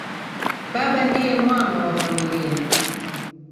Baba ndiye mwamba wa familia